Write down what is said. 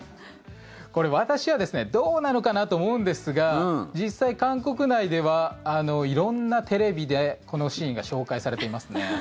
これ、私はどうなのかな？と思うんですが実際、韓国内では色んなテレビでこのシーンが紹介されていますね。